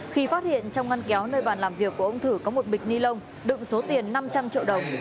khi phát hiện trong ngăn kéo nơi bàn làm việc của ông thử có một bịch ni lông đựng số tiền năm trăm linh triệu đồng